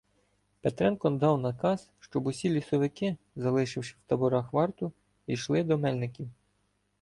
Петренко дав наказ, щоб усі лісовики, залишивши в таборах варту, йшли до Мельників.